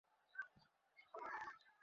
কিংবা ভেবেছিলাম, জানতাম।